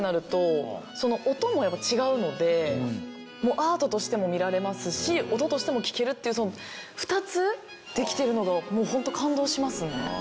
アートとしても見られますし音としても聴けるっていう２つできてるのがホント感動しますね。